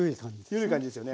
ゆるい感じですよね。